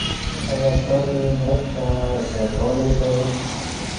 ايا تاسې مرسته راسره کولی شئ؟